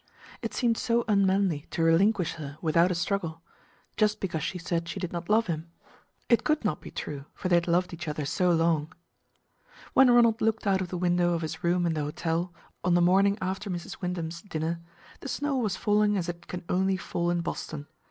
It seemed so unmanly to relinquish her without a struggle, just because she said she did not love him. It could not be true, for they had loved each other so long. When Ronald looked out of the window of his room in the hotel, on the morning after Mrs. Wyndham's dinner, the snow was falling as it can only fall in Boston.